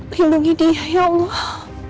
lindungi dia ya allah